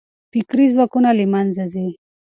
فکري ځواکونه له منځه ځي.